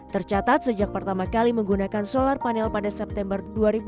tercatat sejak pertama kali menggunakan solar panel pada september dua ribu dua puluh